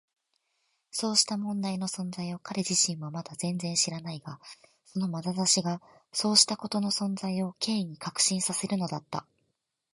そうした問題の存在を彼自身はまだ全然知らないが、そのまなざしがそうしたことの存在を Ｋ に確信させるのだった。